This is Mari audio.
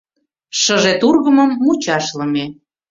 Шыже тургымым мучашлыме.